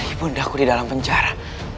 ibu undaku di dalam penjara